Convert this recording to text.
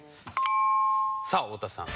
さあ太田さん。